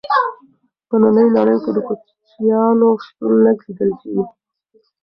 په ننۍ نړۍ کې د کوچیانو شتون لږ لیدل کیږي.